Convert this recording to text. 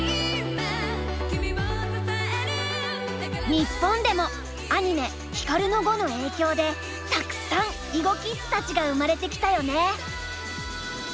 日本でもアニメ「ヒカルの碁」の影響でたくさん囲碁キッズたちが生まれてきたよね。